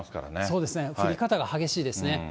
そうですね、降り方が激しいですね。